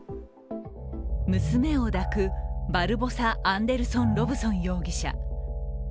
娘を抱くバルボサ・アンデルソン・ロブソン容疑者。